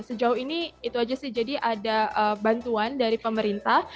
sejauh ini itu aja sih jadi ada bantuan dari pemerintah